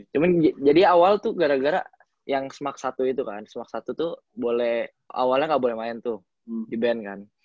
cuman jadi awal tuh gara gara yang smak satu itu kan smak satu tuh boleh awalnya nggak boleh main tuh di band kan